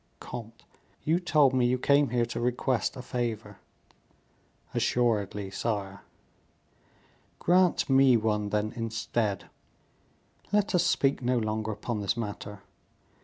"Comte, you told me you came here to request a favor." "Assuredly, sire." "Grant me one, then, instead; let us speak no longer upon this matter.